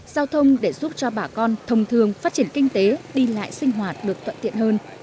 giao thông để giúp cho bà con thông thường phát triển kinh tế đi lại sinh hoạt được thuận tiện hơn